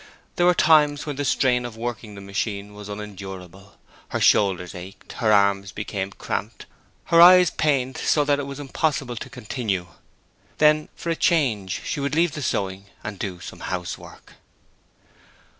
There were times when the strain of working the machine was unendurable: her shoulders ached, her arms became cramped, and her eyes pained so that it was impossible to continue. Then for a change she would leave the sewing and do some housework.